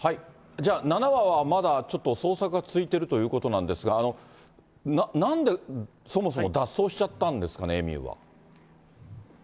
じゃあ、７羽はまだちょっと捜索が続いているということなんですが、なんで、そもそも脱走しちゃったんですかね、エミューは。